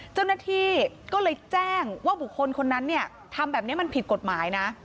เจ้าหน้าที่ก็เลยแจ้งว่าบุคคลคนนั้นเนี่ยทำแบบนี้มันผิดกฎหมายนะ